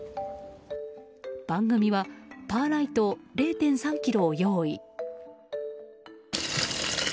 番組はパーライト０．３ｋｇを用意。